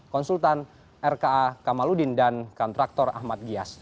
konsultan rka kamaludin dan kontraktor ahmad giyas